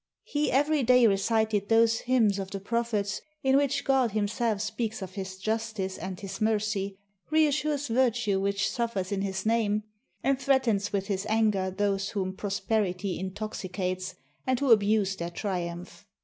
He every day recited those hymns of the prophets in which God himself speaks of his justice and his mercy, reassures virtue which suffers in his name, and threatens with his anger those whom prosperity intoxicates, and who abuse their triumph.